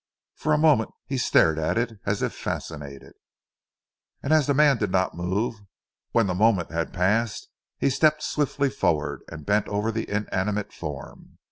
For a moment he stared at it as if fascinated, and as the man did not move, when the moment had passed he stepped swiftly forward, and bent over the inanimate form.